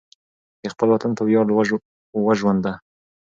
د خپل وطن په ویاړ وژونده.